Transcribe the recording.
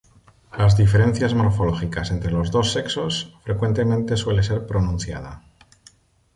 Las diferencias morfológicas entre los dos sexos frecuentemente suele ser pronunciada.